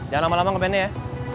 jangan lama lama ngependen ya